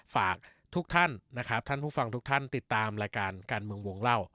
ฝากทุกท่านนะครับท่านผู้ฟังทุกท่านติดตามรายการการเมืองวงเล่า